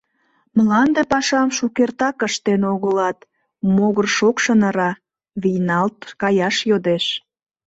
Мланде пашам шукертак ыштен огылат, могыр шокшын ыра, вийналт каяш йодеш.